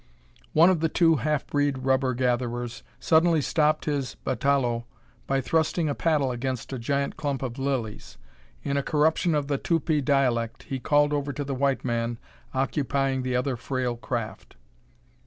One of the two half breed rubber gatherers suddenly stopped his batalõe by thrusting a paddle against a giant clump of lilies. In a corruption of the Tupi dialect, he called over to the white man occupying the other frail craft.